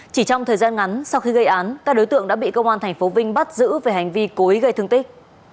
chỉ trong thời gian ngắn sau khi gây án các đối tượng đã bị công an tp vinh bắt giữ về hành vi cố ý gây thương tích